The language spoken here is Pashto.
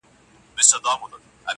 موږ په اصل او نسب سره خپلوان یو،